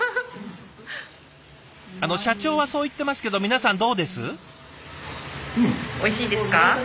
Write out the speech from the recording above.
あの社長はそう言ってますけど皆さんどうです？